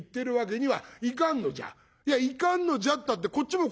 「いやいかんのじゃったってこっちも困るんだよ。